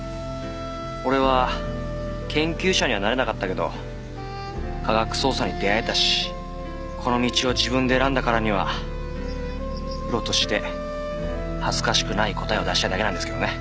俺は研究者にはなれなかったけど科学捜査に出会えたしこの道を自分で選んだからにはプロとして恥ずかしくない答えを出したいだけなんですけどね。